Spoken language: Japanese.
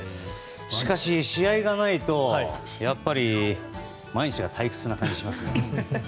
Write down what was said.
しかし、試合がないとやっぱり毎日が退屈な感じがしますね。